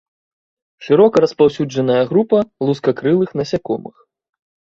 Шырока распаўсюджаная група лускакрылых насякомых.